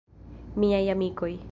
Miaj amikoj.